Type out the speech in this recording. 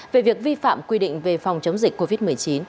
về việc vi phạm quy định về phòng chống dịch covid một mươi chín